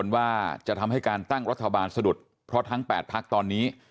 ว่าจะทำให้การตั้งรัฐบาลสะดุดเพราะทั้ง๘พักตอนนี้